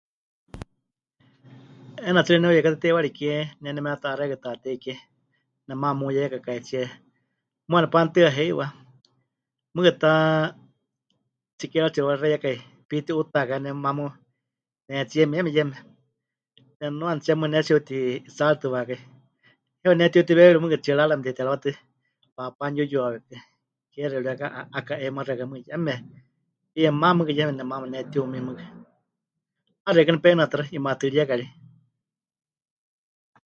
'Eena tsɨ ri ne'uyeikátɨ teiwari kie, ne nemeta'axékai Taatei Kie, nemaama muyeikakaitsíe, muuwa nepanutɨa heiwa, mɨɨkɨ ta tsikeerutsiixi mɨwarexeiyakai, piti'uutakai waaníu mamu nehetsíe mieme yeme, nemɨnuanitsie mɨɨkɨ pɨnetsi'uti'itsaaritɨwakai, heiwamie pɨnetiutiweewíri 'enchiladas mete'iterɨwátɨ, paapá mɨyuyuawikɨ, keexiu ri 'aka... 'aka'eimaxɨaka mɨɨkɨ yeme, pimá mɨɨkɨ yeme nemaama pɨnetiumɨ mɨɨkɨ, 'aana xeikɨ́a nepe'inɨatáxɨ, 'imaatɨrieka ri.